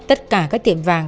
tất cả các tiệm vàng